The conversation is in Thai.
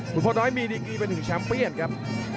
วิจัยน้อยมีดินกี้เป็นหนึ่งชัมพี่อนครับ